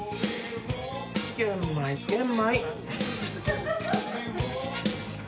玄米玄米。